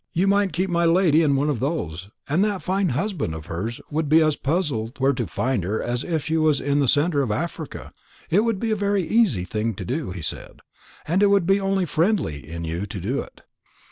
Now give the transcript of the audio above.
You might keep my lady in one of those; and that fine husband of hers would be as puzzled where to find her as if she was in the centre of Africa. It would be a very easy thing to do,' he said; 'and it would be only friendly in you to do it.'"